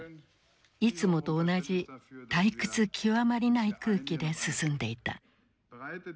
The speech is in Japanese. いつもと同じ退屈極まりない空気で進んでいた。